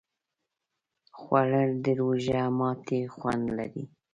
خوړل د روژه ماتي خوند لري